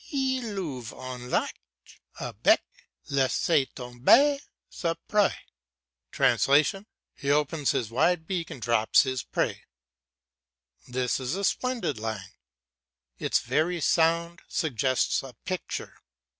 "Il ouvre un large bec, laisse tomber sa proie" (He opens his wide beak and drops his prey). This is a splendid line; its very sound suggests a picture.